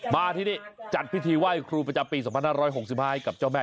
มาที่นี่จัดพิธีไหว้ครูประจำปี๒๕๖๕ให้กับเจ้าแม่